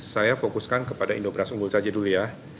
saya fokuskan kepada indobras unggul saja dulu ya